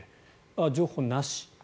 情報、なし。